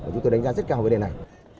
chúng tôi đánh giá rất cao vấn đề này